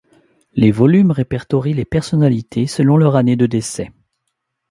Les volumes répertorient les personnalités selon leur année de décès.